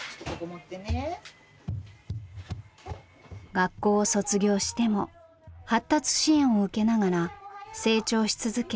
学校を卒業しても発達支援を受けながら成長し続け